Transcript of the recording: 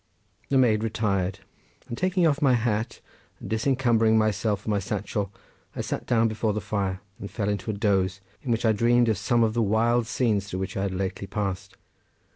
The maid retired, and taking off my hat, and disencumbering myself of my satchel I sat down before the fire and fell into a doze, in which I dreamed of some of the wild scenes through which I had lately passed.